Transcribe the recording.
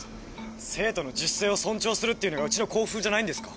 生徒の自主性を尊重するっていうのがウチの校風じゃないんですか？